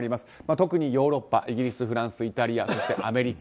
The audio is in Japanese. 特にヨーロッパ、イギリスフランス、イタリアそしてアメリカ。